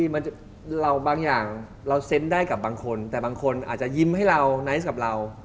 มาแสดงผมได้ที่บางคนอาจยิ้มให้ค่อนข้าง